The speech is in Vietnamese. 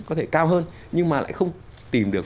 có thể cao hơn nhưng mà lại không tìm được